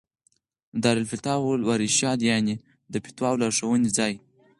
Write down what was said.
دار الافتاء والارشاد، يعني: د فتوا او لارښووني ځای